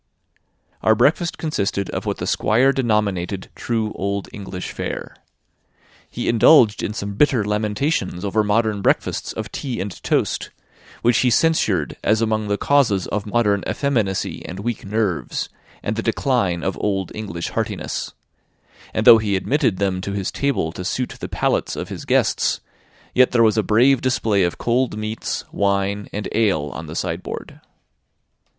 Our breakfast consisted of what the Squire denominated true old English fare. He indulged in some bitter lamentations over modern breakfasts of tea and toast, which he censured as among the causes of modern effeminacy and weak nerves, and the decline of old English heartiness; and though he admitted them to his table to suit the palates of his guests, yet there was a brave display of cold meats, wine, and ale, on the sideboard.